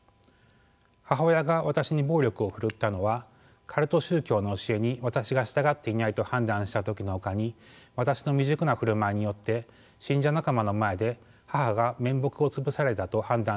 母親が私に暴力を振るったのはカルト宗教の教えに私が従っていないと判断した時のほかに私の未熟な振る舞いによって信者仲間の前で母が面目を潰されたと判断した時もありました。